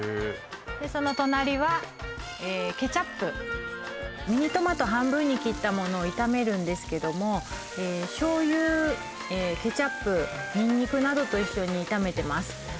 その隣はケチャップミニトマト半分に切ったものを炒めるんですけども醤油ケチャップニンニクなどと一緒に炒めてます